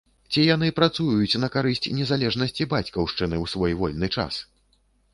Ці яны працуюць на карысць незалежнасці бацькаўшчыны ў свой вольны час?